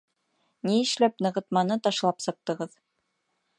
Ни эшләп нығытманы ташлап сыҡтығыҙ?